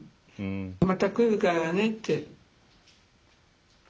また来るからねって。